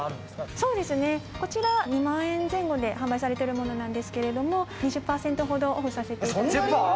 そうですねこちらは２万円前後で販売されてるものなんですけれども２０％ほどオフさせていただきます